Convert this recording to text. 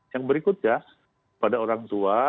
yang berikutnya pada orang tua